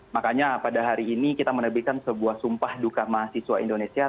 makanya pada hari ini kita menerbitkan sebuah sumpah duka mahasiswa indonesia